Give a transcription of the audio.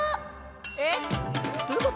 えっどういうこと？